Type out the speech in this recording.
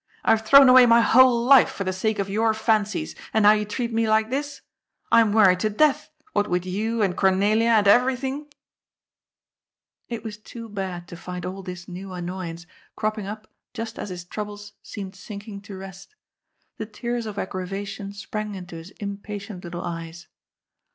I have thrown away my whole life for the sake of your fancies, and now you treat me like this ! I am worried to death, what with you, and Cornelia, and everything I " It was too bad to find all this new annoyance cropping up just as his troubles seemed sinking to rest. The tears of aggravation sprang into his impatient little eyes.